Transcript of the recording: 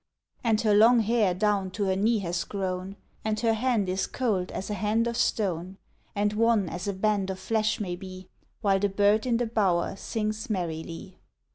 _) And her long hair down to her knee has grown, And her hand is cold as a hand of stone, And wan as a band of flesh may be, While the bird in the bower sings merrily.